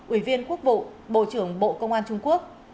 ủy viên quốc vụ bộ trưởng bộ công an trung quốc